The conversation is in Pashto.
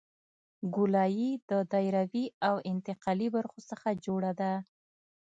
ګولایي د دایروي او انتقالي برخو څخه جوړه ده